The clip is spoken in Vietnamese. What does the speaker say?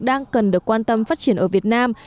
đang cần được quan tâm phát triển ở việt nam